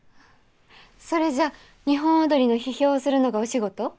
それじゃ日本踊りの批評をするのがお仕事？